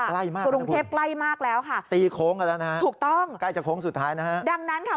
ใกล้มากนะครับคุณผู้ชมตีโค้งกันแล้วนะครับใกล้จากโค้งสุดท้ายนะครับดังนั้นค่ะ